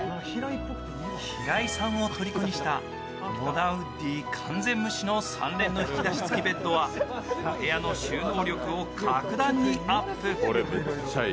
平井さんをとりこにしたモダンウッディ完全無視の３連の引き出し付きベッドは部屋の収納力を格段にアップ。